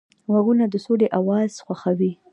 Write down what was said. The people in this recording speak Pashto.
غوږونه د سولې اواز خوښوي